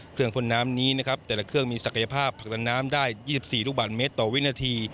พ่นน้ำนี้นะครับแต่ละเครื่องมีศักยภาพผลักดันน้ำได้๒๔ลูกบาทเมตรต่อวินาที